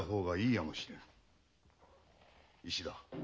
石田。